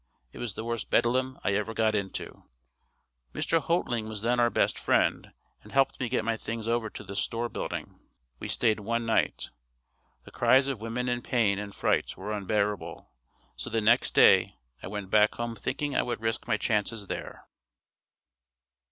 It was the worst bedlam I ever got into. Mr. Hoatling was then our best friend and helped me get my things over to this store building. We stayed one night. The cries of women in pain and fright were unbearable, so the next day I went back home thinking I would risk my chances there.